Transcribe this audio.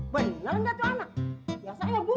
beneran datu anak